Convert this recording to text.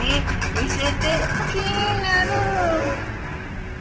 見せて気になる！